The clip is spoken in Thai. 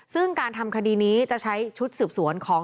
ซึ่งการทำคดีนี้จะใช้ชุดสืบสวนของ